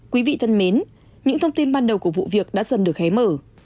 quý vị thân mến những thông tin ban đầu của vụ việc đã dần được hé mở